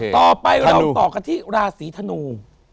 ต่อไปเราต่อกันที่ราศีธนู